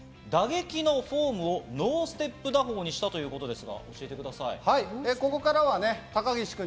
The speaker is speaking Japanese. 打撃のフォームをノーステップ打法にしたということですね。